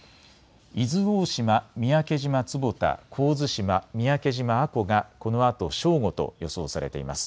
伊豆大島、三宅島坪田、神津島、三宅島阿古がこのあと正午と予想されています。